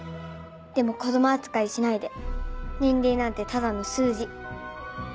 でも子供扱いしないで年齢なんてただの数字。